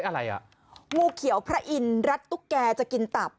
อะไรอ่ะงูเขียวพระอินทร์รัดตุ๊กแกจะกินตับ